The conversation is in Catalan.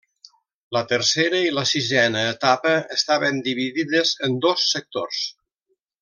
La tercera i la sisena etapa estaven dividides en dos sectors.